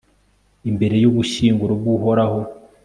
imbere y'ubushyinguro bw'uhoraho